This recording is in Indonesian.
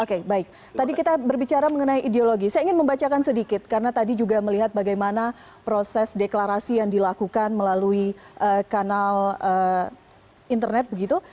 oke baik tadi kita berbicara mengenai ideologi saya ingin membacakan sedikit karena tadi juga melihat bagaimana proses deklarasi yang dilakukan melalui kanal internet begitu